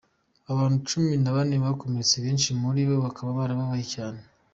Abantu cumi na bane bakomeretse, benshi muri bo bakaba bababaye cane.